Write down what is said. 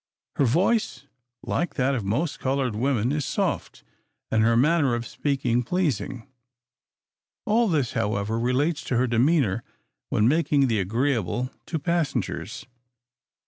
Her voice, like that of most colored women, is soft, and her manner of speaking pleasing. All this, however, relates to her demeanor when making the agreeable to passengers.